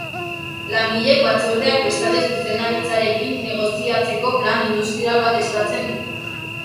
Langileen batzordeak bestalde zuzendaritzarekin negoziatzeko plan industrial bat eskatzen du.